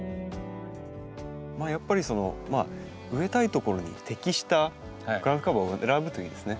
やっぱり植えたい所に適したグラウンドカバーを選ぶといいですね。